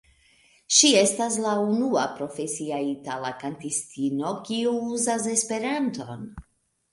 Ŝi estas la unua profesia itala kantistino, kiu uzas esperanton.